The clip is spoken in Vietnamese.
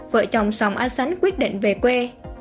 vợ chồng sòng a seng quyết định về quê